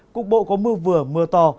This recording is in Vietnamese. cục bộ có mưa vừa mưa to